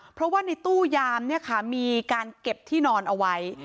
เพราะว่าในตู้ยามมีการเก็บที่นอนเอาไว้